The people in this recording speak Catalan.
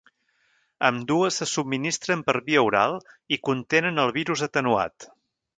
Ambdues se subministren per via oral i contenen el virus atenuat.